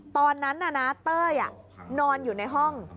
ตอนนั้นน่ะนะเต้ยนอนอยู่ในห้อง